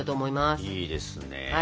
いいですね。